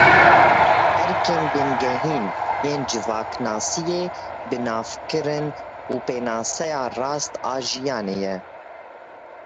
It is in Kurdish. Erkên bingehîn ên civaknasiyê, binavkirin û pênaseya rast a jiyanê ye.